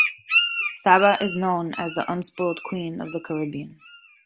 Saba is known as "The Unspoiled Queen" of the Caribbean.